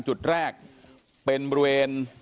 จุดแรกเป็นบริเวณ